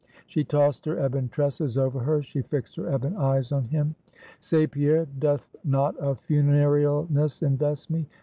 She tossed her ebon tresses over her; she fixed her ebon eyes on him. "Say, Pierre; doth not a funerealness invest me?